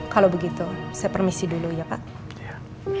kalau begitu saya perminta bapak untuk berhubung dengan saya